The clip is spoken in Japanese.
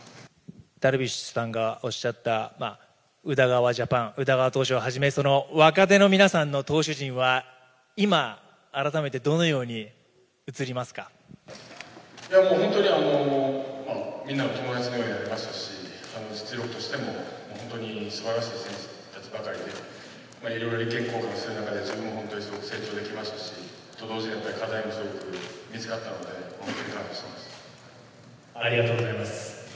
ダルビッシュさんがおっしゃった、宇田川ジャパン、宇田川投手をはじめ、若手の皆さんの投手陣は、今、いや、もう本当にみんなの気合いもすごくありましたし、実力としても実力としても本当にすばらしい選手ですし、いろいろ意見交換する中で、自分も本当に成長できましたし、と同時に課題が見つかったので本ありがとうございます。